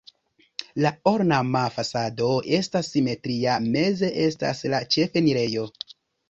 La ornama fasado estas simetria, meze estas la ĉefenirejo.